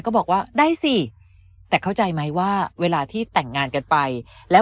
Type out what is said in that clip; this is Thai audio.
ก็บอกว่าได้สิแต่เข้าใจไหมว่าเวลาที่แต่งงานกันไปแล้ว